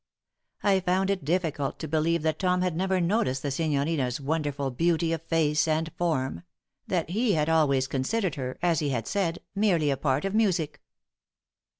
I found it difficult to believe that Tom had never noticed the signorina's wonderful beauty of face and form, that he had always considered her, as he had said, "merely a part of the music."